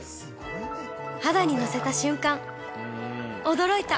肌にのせた瞬間、驚いた。